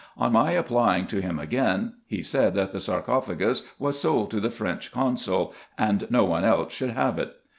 On my applying to him again, he said that the sarcophagus was sold to the French consul, and no one else should have it.